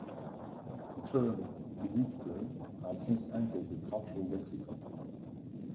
The term "The It girl" has since entered the cultural lexicon.